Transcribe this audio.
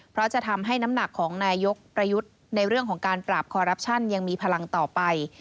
เพราะจะทำให้น้ำหนักของนายกประยุทธ์ในเรื่องของการปราบคอรัปชั่นยังมีพลังต่อไป